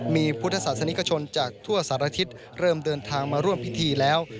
มีพุทธศาสนิกชนจากทั่วสารทิศเริ่มเดินทางมาร่วมพิธีแล้ว